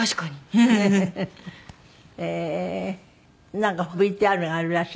なんかＶＴＲがあるらしい。